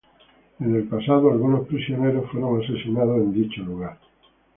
Algunos prisioneros han sido asesinados en el lugar en el pasado.